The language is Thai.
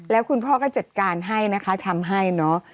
แล้วคุณพ่อก็จัดการให้นะคะทำให้เนอะ